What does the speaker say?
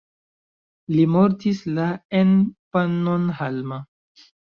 Li mortis la en Pannonhalma.